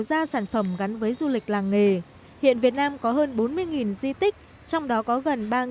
gia sản phẩm gắn với du lịch làng nghề hiện việt nam có hơn bốn mươi di tích trong đó có gần